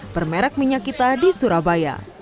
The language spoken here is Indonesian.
bermerek minyak kita di surabaya